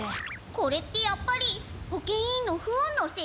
これってやっぱり保健委員の不運のせい？